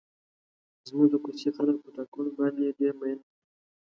زموږ د کوڅې خلک په ټاکنو باندې ډېر مین دي.